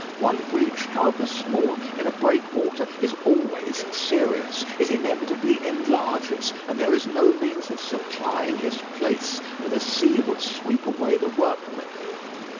One breach, however small, in a breakwater, is always serious. It inevitably enlarges, and there is no means of supplying its place, for the sea would sweep away the workmen.